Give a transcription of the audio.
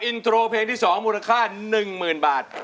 อินโทรเพลงที่๒มูลค่า๑๐๐๐บาท